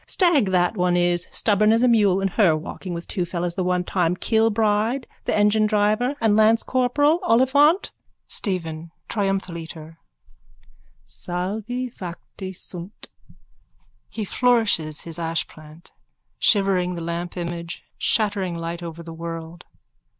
Stag that one is! Stubborn as a mule! And her walking with two fellows the one time, Kilbride, the enginedriver, and lancecorporal Oliphant. STEPHEN: (Triumphaliter.) Salvi facti sunt. _(He flourishes his ashplant, shivering the lamp image, shattering light over the world.